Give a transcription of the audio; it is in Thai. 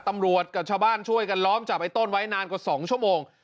กับชาวบ้านช่วยกันล้อมจับไอ้ต้นไว้นานกว่า๒ชั่วโมง